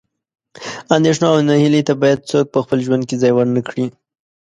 اندېښنو او نهیلۍ ته باید څوک په خپل ژوند کې ځای ورنه کړي.